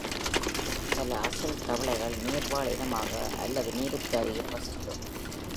பல அசல் தவளைகள் நீர் வாழ் இனமாக அல்லது நீருக்கு அருகில் வசிக்கும்.